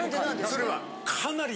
それは？